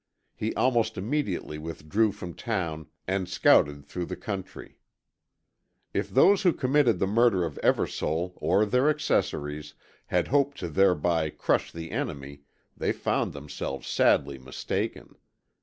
He almost immediately withdrew from town and scouted through the country. If those who committed the murder of Eversole, or their accessaries, had hoped to thereby crush the enemy, they found themselves sadly mistaken.